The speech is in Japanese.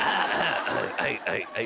はいはいはい。